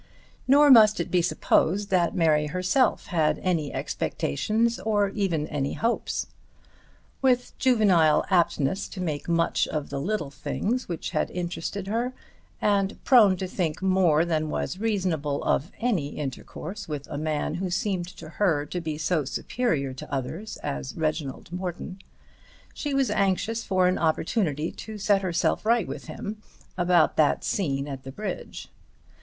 Nor must it be supposed that Mary herself had any expectations or even any hopes. With juvenile aptness to make much of the little things which had interested her, and prone to think more than was reasonable of any intercourse with a man who seemed to her to be so superior to others as Reginald Morton, she was anxious for an opportunity to set herself right with him about that scene at the bridge.